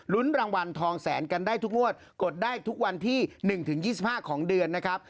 รางวัลทองแสนกันได้ทุกงวดกดได้ทุกวันที่๑๒๕ของเดือนนะครับ